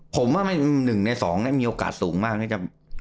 ผมว่า๑ใน๒มีโอกาสสูงมาก